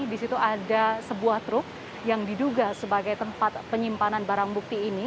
di situ ada sebuah truk yang diduga sebagai tempat penyimpanan barang bukti ini